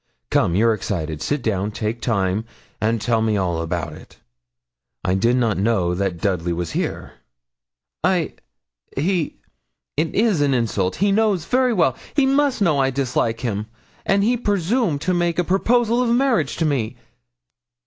Come, you're excited; sit down; take time, and tell me all about it. I did not know that Dudley was here.' 'I he it is an insult. He knew very well he must know I dislike him; and he presumed to make a proposal of marriage to me.'